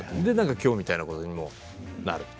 今日みたいなことにもなると。